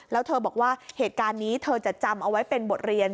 แล้วเธอบอกว่าเหตุการณ์นี้เธอจะจำเอาไว้เป็นบทเรียน